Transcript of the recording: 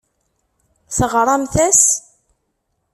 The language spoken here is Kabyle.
Teɣramt-as?